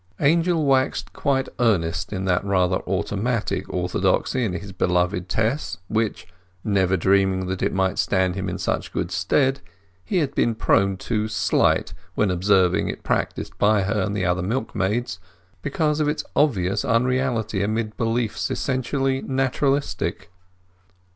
Angel waxed quite earnest on that rather automatic orthodoxy in his beloved Tess which (never dreaming that it might stand him in such good stead) he had been prone to slight when observing it practised by her and the other milkmaids, because of its obvious unreality amid beliefs essentially naturalistic.